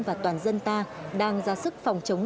và toàn dân ta đang ra sức phòng chống